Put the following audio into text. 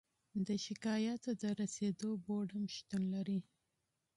د شکایاتو ته د رسیدو بورد هم شتون لري.